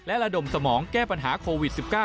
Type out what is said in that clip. และระดมสมองแก้ปัญหาโควิด๑๙